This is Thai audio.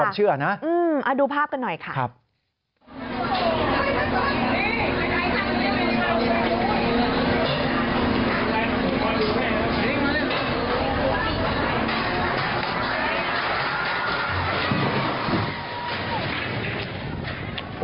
ใช่ค่ะดูภาพกันหน่อยค่ะตามความเชื่อนะ